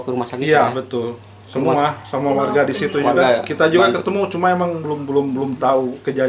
ke rumah sakit ya betul semua sama warga di situ juga kita juga ketemu cuma emang belum belum belum tahu kejadian